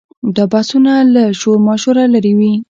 دا بحثونه له شورماشوره لرې وي.